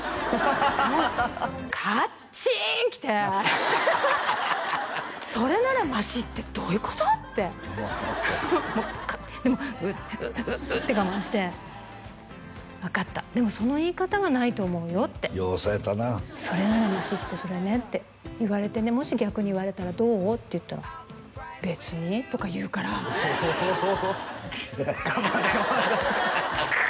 もうカッチーンきてそれならマシってどういうこと？ってもうでもウッウッウッて我慢して分かったでもその言い方はないと思うよってよう抑えたな「それならマシ」ってそれねって言われてねもし逆に言われたらどう？って言ったら別にとか言うからおお我慢我慢だく！